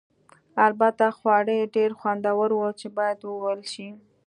البته خواړه یې ډېر خوندور ول چې باید وویل شي.